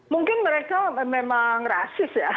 mungkin mereka memang rasis ya